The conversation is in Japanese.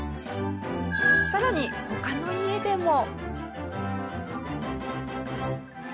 さらに他の家でも。